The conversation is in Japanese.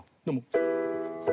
でも。